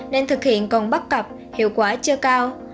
nên thực hiện còn bắt cập hiệu quả chưa cao